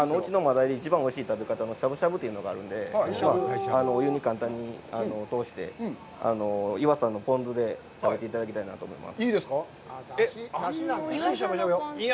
おいしい食べ方のしゃぶしゃぶというのがあるので、お湯に簡単に通して、湯浅のポン酢で食べていただきたいと思います。